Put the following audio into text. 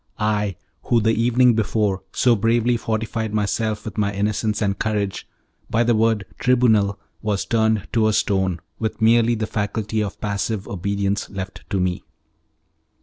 I, who the evening before so bravely fortified myself with my innocence and courage, by the word tribunal was turned to a stone, with merely the faculty of passive obedience left to me.